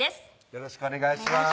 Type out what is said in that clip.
よろしくお願いします